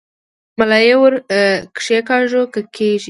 ملا یې ور کښېکاږه که کېږي؟